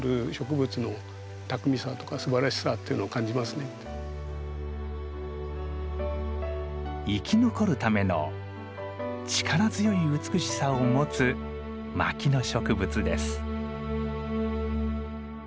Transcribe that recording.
この姿を見ると生き残るための力強い美しさを持つ牧野植物です。